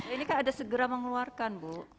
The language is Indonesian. ini kan ada segera mengeluarkan bu